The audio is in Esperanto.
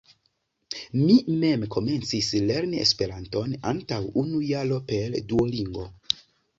Mi mem komencis lerni Esperanton antaŭ unu jaro per Duolingo.